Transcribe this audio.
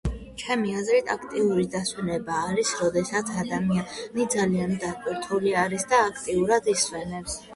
ჩემი აზრით აქტიური დასვენება არის, როდესაც ადამიანი ძალიან დატვირთული არის და აქტიურად ისვენებს.